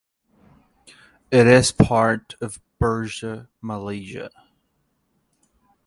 It is part of Bursa Malaysia.